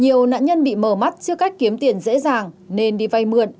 nhiều nạn nhân bị mờ mắt trước cách kiếm tiền dễ dàng nên đi vay mượn